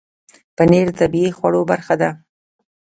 پنېر د طبیعي خوړو برخه ده.